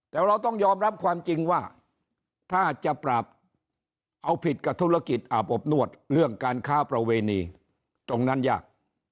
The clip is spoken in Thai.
แต่เราต้องยอมรับความจริงว่าถ้าจะปราบเอาผิดกับธุรกิจอาบอบนวดเรื่องการค้าประเวณีตรงนั้นยาก